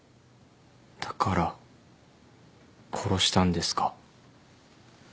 だから殺したんですか？